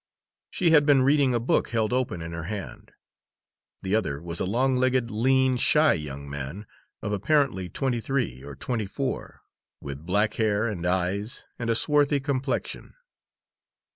She had been reading a book held open in her hand. The other was a long legged, lean, shy young man, of apparently twenty three or twenty four, with black hair and eyes and a swarthy complexion.